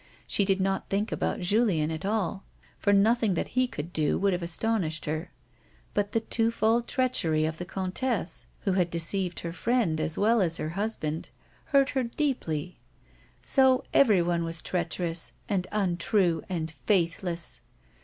She did not think about J alien at all, for nothing that he could do would have astonished her, but the twofold treachery of the comtesse, who had deceived her friend as well as her husband, hurt her deeply. So everyone was treacherous, and untrue and faithless